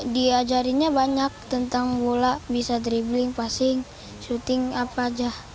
diajarinnya banyak tentang bola bisa dribbling passing syuting apa aja